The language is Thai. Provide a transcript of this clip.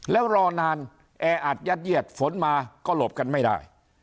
แล้วรอนานแออัดยัดเยียดฝนมาก็หลบกันไม่ได้